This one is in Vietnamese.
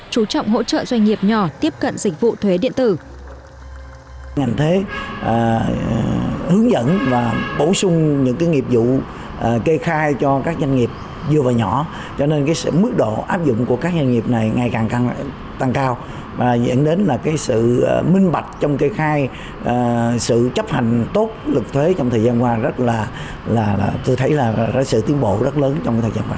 chú trọng hỗ trợ doanh nghiệp nhỏ tiếp cận dịch vụ thuế điện tử